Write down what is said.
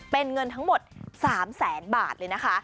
เป็นเงินทั้งหมด๓แสนบาทเลยนะคะ